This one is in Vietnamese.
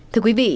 thưa quý vị